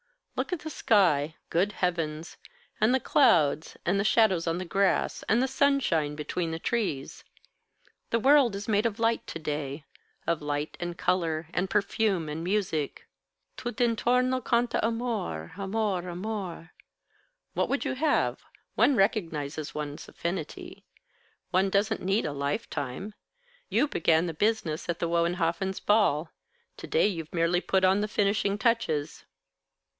Look at the sky good heavens! and the clouds, and the shadows on the grass, and the sunshine between the trees. The world is made of light to day, of light and color, and perfume and music. Tutt 'intorno canta amor, amor, amor! What would you have? One recognises one's affinity. One doesn't need a lifetime. You began the business at the Wohenhoffens' ball. To day you've merely put on the finishing touches."